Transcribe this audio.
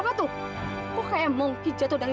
mak lampir lagi